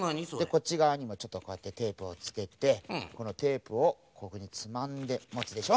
こっちがわにもちょっとこうやってテープをつけてこのテープをここにつまんでもつでしょ。